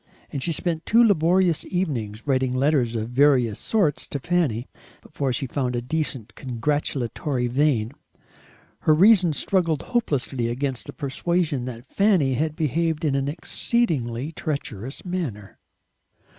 And she spent two laborious evenings writing letters of various sorts to Fanny, before she found a decent congratulatory vein. Her reason struggled hopelessly against the persuasion that Fanny had behaved in an exceedingly treacherous manner.